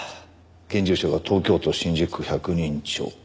現住所は東京都新宿区百人町。